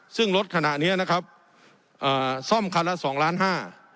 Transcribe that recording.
ซึ่งรถขณะเนี้ยนะครับเอ่อซ่อมคันละสองล้านห้า